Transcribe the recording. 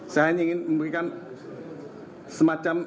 saya hanya ingin memberikan semacam